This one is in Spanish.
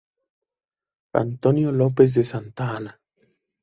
Antonio López de Santa Anna.